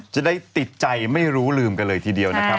จะได้ติดใจไม่รู้ลืมกันเลยทีเดียวนะครับ